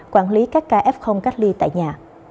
quản lý các ca f cách ly tại nhà